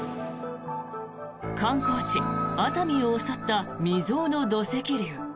観光地・熱海を襲った未曽有の土石流。